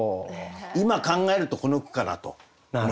今考えるとこの句かなと思います。